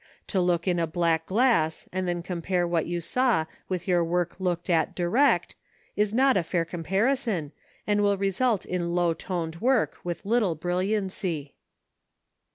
To look in a black glass and then compare what you saw with your work looked at direct is not a fair comparison, and will result in low toned work with little brilliancy.